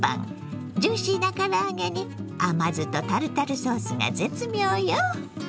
ジューシーな唐揚げに甘酢とタルタルソースが絶妙よ。